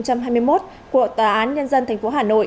của tòa án nhân dân tp hà nội